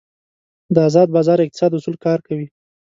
د ازاد بازار اقتصاد اصول کار کوي.